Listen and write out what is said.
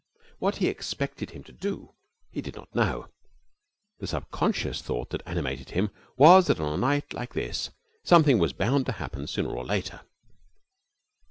What he expected him to do he did not know. The subconscious thought that animated him was that on a night like this something was bound to happen sooner or later.